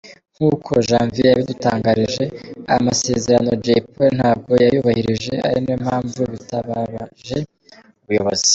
Nkuko Janvier yabidutangarije, aya masezerano Jay Polly ntabwo yayubahirije ari nayo mpamvu bitabaje ubuyozi.